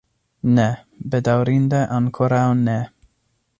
Ne, bedaŭrinde ankoraŭ ne.